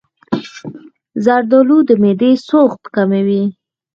زردآلو د معدې سوخت کموي.